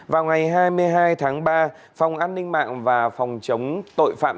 vào ngày hai mươi hai tháng ba phòng an ninh mạng và phòng chống tội phạm